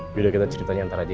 yaudah kita ceritanya nanti aja ya